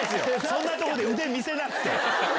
そんなとこで腕見せなくて。